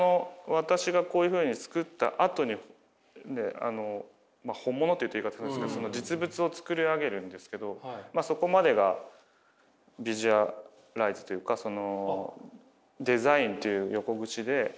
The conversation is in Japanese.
私がこういうふうに作ったあとに本物と言うと言い方変ですけど実物を作り上げるんですけどそこまでがビジュアライズというかそのデザインという横口で切り取られてるんですけど。